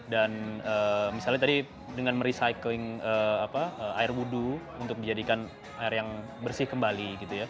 dan misalnya tadi dengan merecycling air wudhu untuk dijadikan air yang bersih kembali